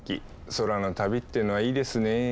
空の旅っていうのはいいですね。